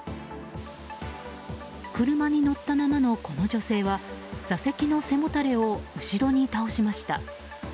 車に乗ったままのこの女性は座席の背もたれを後ろに倒しました。